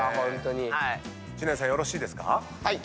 知念さんよろしいですか？